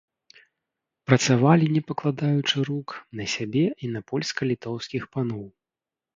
Працавалі не пакладаючы рук на сябе і на польска-літоўскіх паноў.